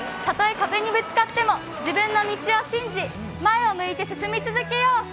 たとえ壁にぶつかっても自分の道を信じて、前を向いて進み続けよう。